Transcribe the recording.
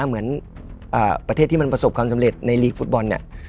เหมือนประเทศที่มันประสบความสำเร็จในลีกฟุตบอลเนี่ย